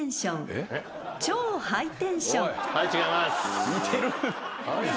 はい違います。